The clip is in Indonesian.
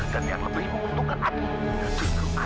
dan dia memberimu untukkan aida